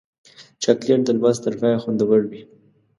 چاکلېټ د لوست تر پایه خوندور وي.